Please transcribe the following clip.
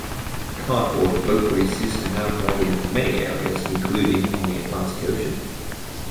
Cardboard Boat races are now held in many areas including on the Atlantic Ocean.